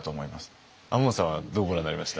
亞門さんはどうご覧になりました？